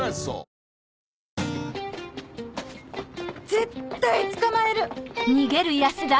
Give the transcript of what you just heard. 絶対捕まえる！